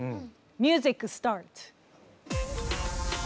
ミュージックスタート。